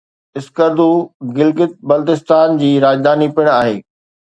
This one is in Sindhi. اسڪردو گلگت بلتستان جي راڄڌاني پڻ آهي.